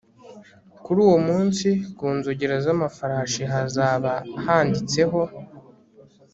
kuri uwo munsi ku nzogera z amafarashi hazaba handitseho